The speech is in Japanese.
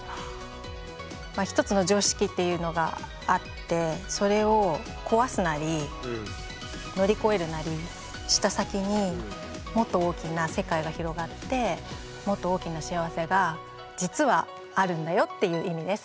まあ一つの常識っていうのがあってそれを壊すなり乗りこえるなりした先にもっと大きな世界が広がってもっと大きな幸せが実はあるんだよっていう意味です。